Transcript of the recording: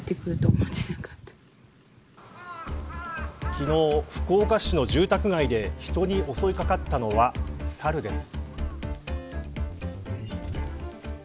昨日、福岡市の住宅街で人に襲いかかったのはサルです。